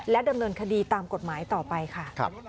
ดำเนินคดีตามกฎหมายต่อไปค่ะ